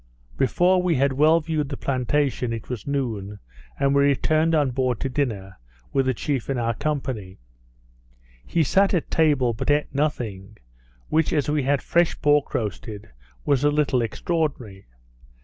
Before we had well viewed the plantation it was noon, and we returned on board to dinner, with the chief in our company. He sat at table but eat nothing, which, as we had fresh pork roasted, was a little extraordinary.